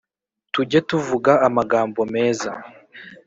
Tujye tuvuga amagambo neza